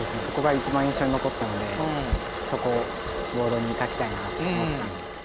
そこが一番印象に残ったのでそこをボードに書きたいなと思ってたんで。